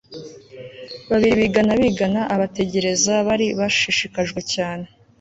babiri bigana bigana. abategereza bari bashishikajwe cyane